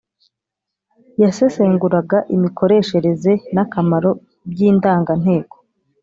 yasesenguraga imikoreshereze n’akamaro by’indanganteko